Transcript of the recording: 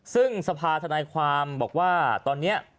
ซึ่งสภาธนายความบอกว่าตอนนี้